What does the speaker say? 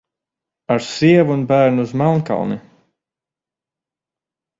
Ar sievu un bērnu uz Melnkalni!